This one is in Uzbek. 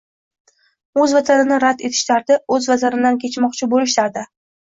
o‘z vatanini rad etish dardi, o‘z vatanidan kechmoqchi bo‘lish dardi